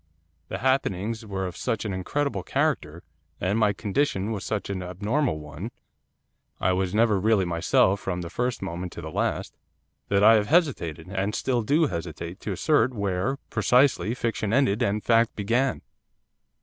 The happenings were of such an incredible character, and my condition was such an abnormal one, I was never really myself from the first moment to the last that I have hesitated, and still do hesitate, to assert where, precisely, fiction ended and fact began.